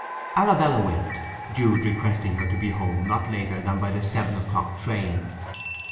Arabella went, Jude requesting her to be home not later than by the seven o'clock train.